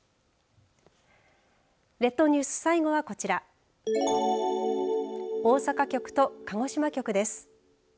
列島ニュース、最後はこちら大阪局と鹿児島局です。